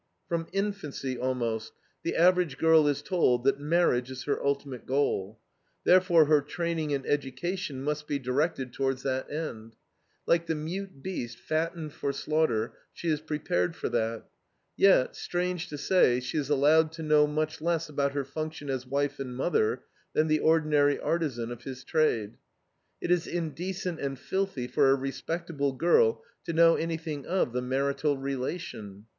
From infancy, almost, the average girl is told that marriage is her ultimate goal; therefore her training and education must be directed towards that end. Like the mute beast fattened for slaughter, she is prepared for that. Yet, strange to say, she is allowed to know much less about her function as wife and mother than the ordinary artisan of his trade. It is indecent and filthy for a respectable girl to know anything of the marital relation.